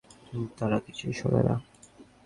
তারা কিছুই শোনে না।